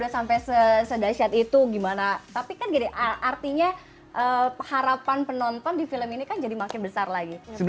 sampai sedahsyat itu gimana tapi kan gini artinya harapan penonton di film ini kan jadi makin besar lagi